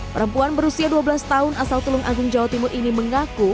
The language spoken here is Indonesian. perempuan berusia dua belas tahun asal tulung agung jawa timur ini mengaku